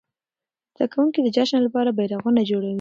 زده کوونکي د جشن لپاره بيرغونه جوړوي.